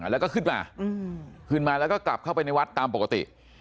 แล้วก็ขึ้นมาขึ้นมาแล้วก็กลับเข้าไปในวัดตามปกติ